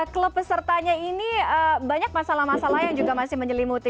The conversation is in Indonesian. klub pesertanya ini banyak masalah masalah yang juga masih menyelimuti